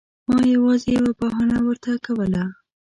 ما یوازې یوه بهانه ورته کوله.